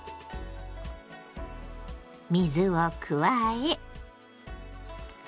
水を加え。